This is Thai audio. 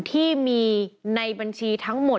ที่มีในบัญชีทั้งหมด